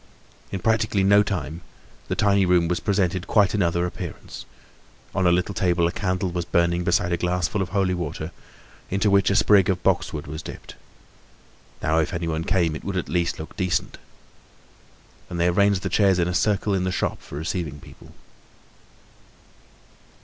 In practically no time the tiny room presented quite another appearance; on a little table a candle was burning beside a glass full of holy water into which a sprig of boxwood was dipped. Now, if anyone came, it would at least look decent. And they arranged the chairs in a circle in the shop for receiving people.